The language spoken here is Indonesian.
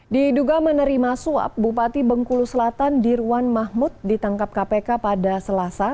diduga menerima suap bupati bengkulu selatan dirwan mahmud ditangkap kpk pada selasa